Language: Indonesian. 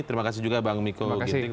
terima kasih juga bang miko ginting